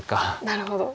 なるほど。